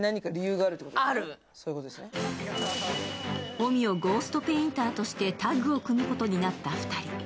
臣をゴーストペインターとしてタッグを組むことになった２人。